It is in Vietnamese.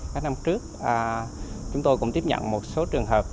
các năm trước chúng tôi cũng tiếp nhận một số trường hợp